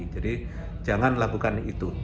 jadi jangan lakukan itu